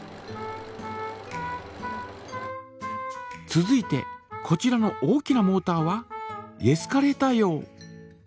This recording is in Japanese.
続いてこちらの大きなモータはエスカレーター用。